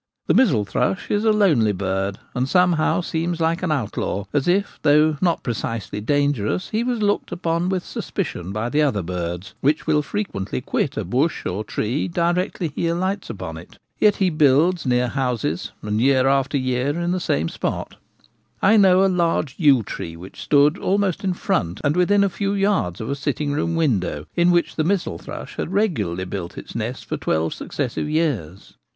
The missel thrush is a lonely bird, and somehow seems like an outlaw — as if, though not precisely dangerous, he was looked upon with suspicion by the other birds, which will fre quently quit a bush or tree directly he alights upon it Yet he builds near houses, and year after year in the same spot I knew a large yew tree which stood almost in front and within a few yards of a sitting room window in which the missel thrush had regu larly built its nest for twelve successive years.